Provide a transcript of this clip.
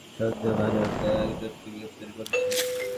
NIA এবং বিশেষ task force সন্দেহভাজন একজনকে গ্রেপ্তার করেছে।